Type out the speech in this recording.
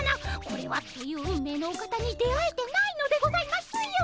これはという運命のお方に出会えてないのでございますよ。